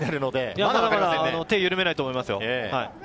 まだまだ手を緩めないと思いますよ。